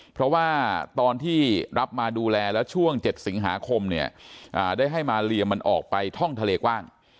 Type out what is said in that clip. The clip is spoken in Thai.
เพราะว่าตอนที่รับมาดูแลแล้วช่วง๗สิงหาคมเนี่ยได้ให้มาเลียมันออกไปท่องทะเลกว้าง